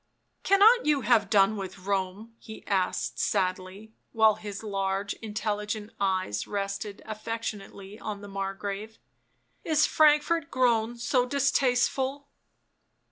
" Cannot you have done with Borne ?" he as^d sadly, while his large intelligent eyes rested affectionately o.. the Margrave. " Is Frankfort grown so distasteful?"